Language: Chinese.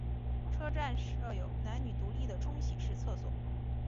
车站设有男女独立的冲洗式厕所。